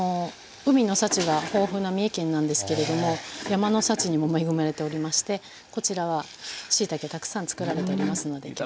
海の幸が豊富な三重県なんですけれども山の幸にも恵まれておりましてこちらはしいたけたくさん作られておりますので。